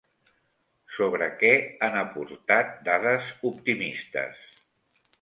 Sobre què han aportat dades optimistes?